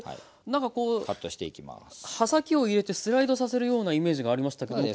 何かこう刃先を入れてスライドさせるようなイメージがありましたけども。